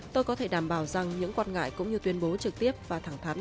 tôi có thể đảm bảo rằng những quan ngại cũng như tuyên bố trực tiếp và thẳng thắn